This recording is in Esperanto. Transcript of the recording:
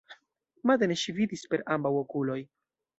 Matene ŝi vidis per ambaŭ okuloj.